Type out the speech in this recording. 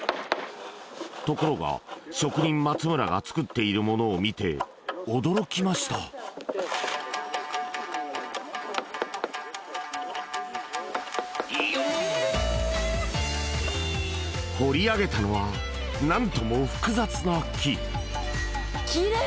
ところが職人・松村が作っているものを見て驚きました彫り上げたのは何とも複雑な木キレイ！